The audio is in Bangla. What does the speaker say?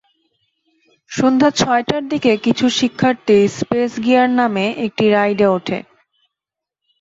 সন্ধ্যা ছয়টার দিকে কিছু শিক্ষার্থী স্পেস গিয়ার নামের একটি রাইডে ওঠে।